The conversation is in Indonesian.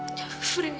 kau tak perlu tumpah